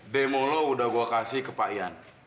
demo lo udah gue kasih ke pak ian